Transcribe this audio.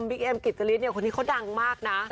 บิ๊กเอมกิตเจริสเนี่ยคนนี้เขาดังมากนะ